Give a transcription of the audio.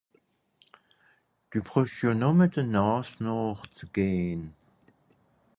Dü brüsch jo nùmme de Nààs nooch ze gehn.